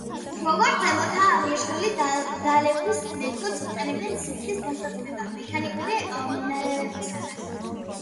როგორც ზემოთაა აღნიშნული დალექვის მეთოდს იყენებენ სითხის გასაწმენდად მექანიკური მინარევებისაგან.